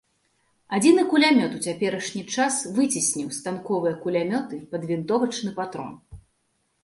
Адзіны кулямёт ў цяперашні час выцесніў станковыя кулямёты пад вінтовачны патрон.